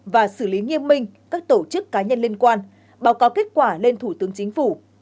và xử lý nghiêm minh các tổ chức cá nhân liên quan báo cáo kết quả lên thủ tướng chính phủ